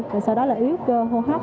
rồi sau đó là yếu cơ hô hấp